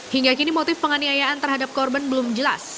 hingga kini motif penganiayaan terhadap korban belum jelas